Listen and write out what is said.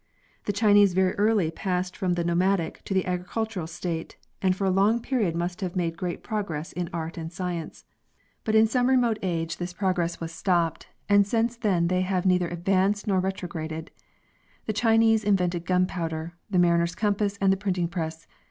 The Chinese very early passed from the nomadic to the agricultural state, and for a long period must haye made great progress in art and science ; but in some remote f See Se a. Se The crystallized Culture of China. 5 age this progress was stopped, and since then they have neither advanced nor retrograded. The Chinese invented gunpowder, the mariners' compass, and the printing press.